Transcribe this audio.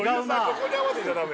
ここに合わせちゃダメ